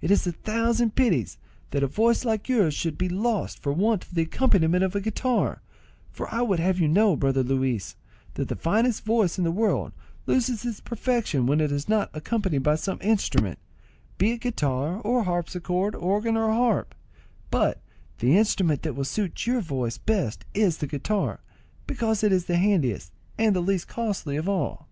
It is a thousand pities that a voice like yours should be lost for want of the accompaniment of the guitar; for I would have you to know, brother Luis, that the finest voice in the world loses its perfection when it is not accompanied by some instrument, be it guitar or harpsichord, organ or harp; but the instrument that will suit your voice best is the guitar, because it is the handiest and the least costly of all."